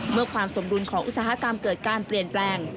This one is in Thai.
เมื่อความสมดุลของอุตสาหกรรมเกิดการเปลี่ยนแปลง